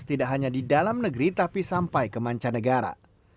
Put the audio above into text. tidak hanya di dalam negeri tapi sampai ke mancanegara